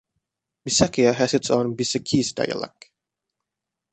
Bisaccia has its own Bisaccese dialect.